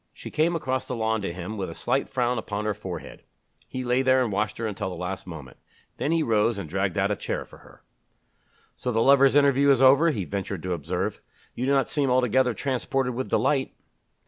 She came across the lawn to him with a slight frown upon her forehead. He lay there and watched her until the last moment. Then he rose and dragged out a chair for her. "So the lovers' interview is over!" he ventured to observe. "You do not seem altogether transported with delight."